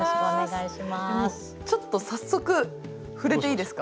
ちょっと早速触れていいですか？